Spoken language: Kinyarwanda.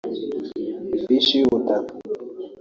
Ifishi y’ubutaka